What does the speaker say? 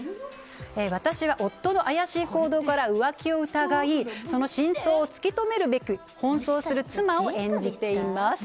私は、夫の怪しい行動から浮気を疑いその真相を突き止めるべく奔走する妻を演じています。